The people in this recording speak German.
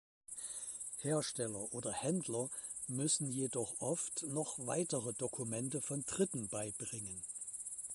Hersteller oder Händler müssen jedoch oft noch weitere Dokumente von Dritten beibringen.